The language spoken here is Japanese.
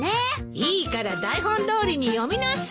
いいから台本どおりに読みなさい。